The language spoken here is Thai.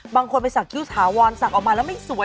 บางคนไปสักคิ้วถาวรสักออกมาแล้วไม่สวย